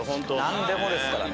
何でもですからね。